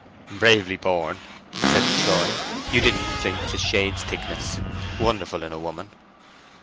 "Bravely borne!" said Troy. "You didn't flinch a shade's thickness. Wonderful in a woman!"